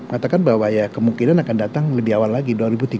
katakan bahwa ya kemungkinan akan datang lebih awal lagi